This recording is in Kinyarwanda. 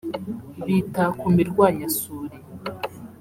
bita ku mirwanyasuri